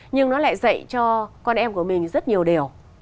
nhưng nó lại dạy cho con em của mình rất nhiều điều